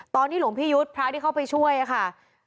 หลวงพี่ยุทธ์พระที่เข้าไปช่วยค่ะ